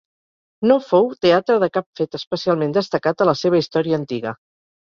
No fou teatre de cap fet especialment destacat a la seva història antiga.